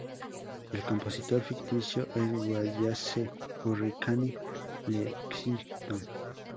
El compositor ficticio es Wallace "Hurricane" Lexington.